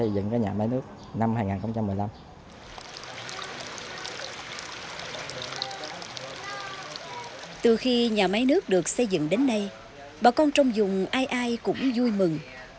với nước được xây dựng đến nay bà con trong dùng ai ai cũng vui mừng